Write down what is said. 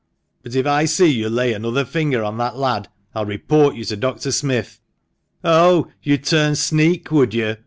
But if I see you lay another ringer on that lad, I'll report you to Dr. Smith." "Oh! you'd turn sneak, would you?"